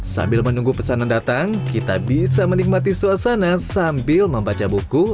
sambil menunggu pesanan datang kita bisa menikmati suasana sambil membaca buku